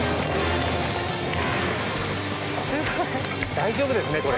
大丈夫ですね、これ。